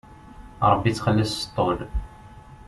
Ṛebbi ittxelliṣ s ṭṭul.